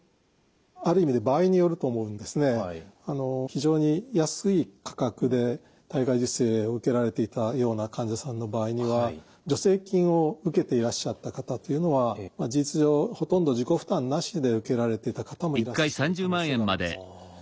非常に安い価格で体外受精を受けられていたような患者さんの場合には助成金を受けていらっしゃった方というのは事実上ほとんど自己負担なしで受けられてた方もいらっしゃる可能性があります。